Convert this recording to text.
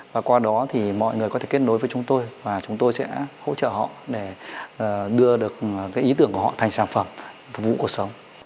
và qua đó thì mọi người có thể kết nối với chúng tôi và chúng tôi sẽ hỗ trợ họ để đưa được ý tưởng của họ thành sản phẩm phục vụ cuộc sống